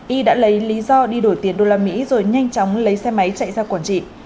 y đã lấy lý do đi đổi tiền đô la mỹ rồi nhanh chóng lấy xe máy chạy ra quảng trị